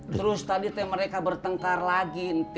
terus tadi teh mereka bertengkar lagi